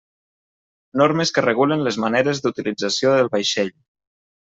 Normes que regulen les maneres d'utilització del vaixell.